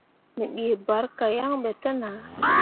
Me dii barka yan ɓe te nah.